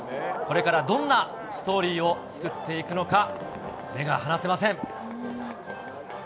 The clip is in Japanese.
これからどんなストーリーを作っていくのか、目が離せません。